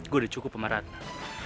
gue udah cukup sama ratna